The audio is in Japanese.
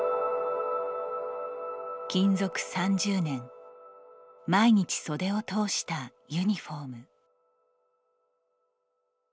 勤続３０年毎日袖を通したユニフォーム。